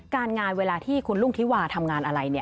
การงานเวลาที่คุณรุ่งธิวาทำงานอะไร